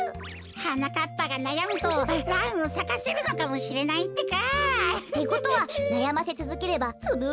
はなかっぱがなやむとランをさかせるのかもしれないってか！ってことはなやませつづければそのうちわか蘭も。